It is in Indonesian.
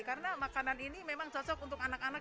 karena makanan ini memang cocok untuk anak anak